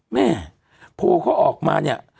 แม่โพลเขาออกมาเนี่ย